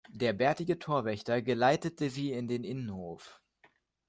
Der bärtige Torwächter geleitete sie in den Innenhof.